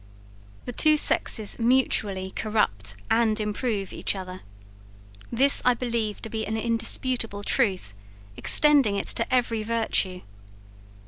The two sexes mutually corrupt and improve each other. This I believe to be an indisputable truth, extending it to every virtue.